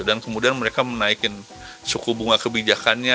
dan kemudian mereka menaikin suku bunga kebijakannya